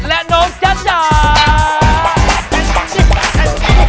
และโน่นจันจัน